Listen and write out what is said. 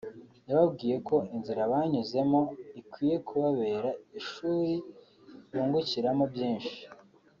yababwiye ko inzira banyuzemo ikwiye kubabera ishuri bungukiramo byinshi